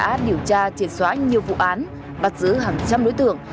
đã điều tra triệt xóa nhiều vụ án bắt giữ hàng trăm đối tượng